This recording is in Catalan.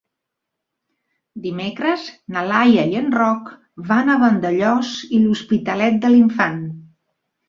Dimecres na Laia i en Roc van a Vandellòs i l'Hospitalet de l'Infant.